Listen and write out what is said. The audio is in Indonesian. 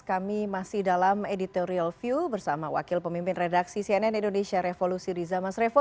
kami masih dalam editorial view bersama wakil pemimpin redaksi cnn indonesia revolusi riza mas revo